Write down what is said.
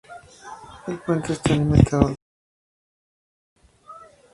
El puente está limitado al tráfico de automóviles.